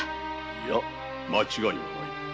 いや間違いはない。